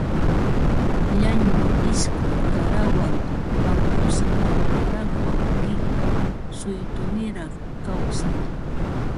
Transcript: Llañu isku qarawan wankusqa yuraqwan qillu suytuniraq kawsay